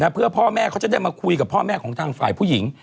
เพื่อพ่อแม่เขาจะได้มาคุยกับพ่อแม่ของทางฝ่ายผู้หญิง